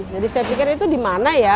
jadi saya pikir itu di mana ya